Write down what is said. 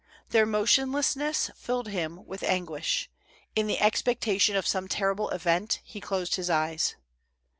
Their motionlessness filled him with an guish ; in the expectation of some terrible event, he closed his eyes.